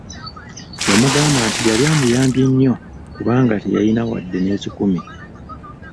Yamugamba nti yali amuyambye nnyo kubanga teyalina wadde n'ekikumi.